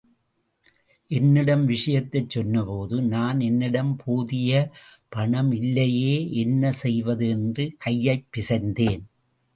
என்னிடம் விஷயத்தைச் சொன்னபோது, நான், என்னிடம் போதியபணம் இல்லையே, என்ன செய்வது? என்று கையைப் பிசைந்தேன்.